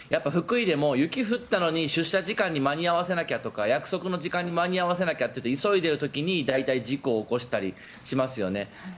福井でも雪が降ったのに出社時間に間に合わせなきゃ約束の時間に間に合わせなきゃと急いでいる時に大体事故を起こしたりしますよね。